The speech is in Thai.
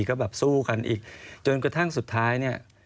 ก็แบบสู้กันอีกจนกระทั่งสุดท้ายเนี่ย